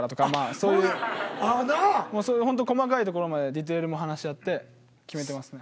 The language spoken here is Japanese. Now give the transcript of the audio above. そういうほんと細かいところまでディティールも話し合って決めてますね。